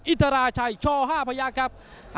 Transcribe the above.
อินทราชัยช่อห้าพระยักษ์ครับ